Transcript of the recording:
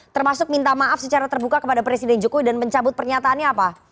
termasuk minta maaf secara terbuka kepada presiden jokowi dan mencabut pernyataannya apa